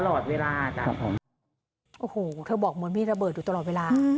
โอ้โฮเธอบอกเหมือนมีระเบิดอยู่ตลอดเวลา